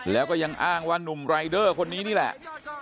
แล้วก็ยังอ้างว่านุ่มรายเดอร์คนนี้นี่แหละ